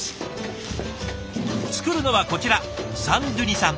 作るのはこちらサンドゥニさん。